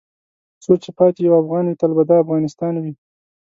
څو چې پاتې یو افغان وې تل به دا افغانستان وې .